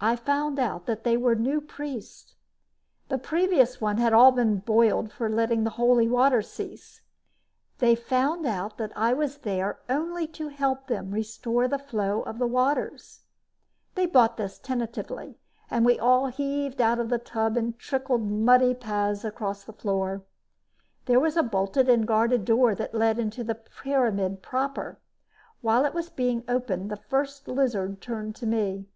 I found out that they were new priests; the previous ones had all been boiled for letting the Holy Waters cease. They found out I was there only to help them restore the flow of the waters. They bought this, tentatively, and we all heaved out of the tub and trickled muddy paths across the floor. There was a bolted and guarded door that led into the pyramid proper. While it was being opened, the First Lizard turned to me.